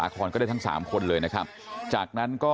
ขอบคุณทุกคนมากครับ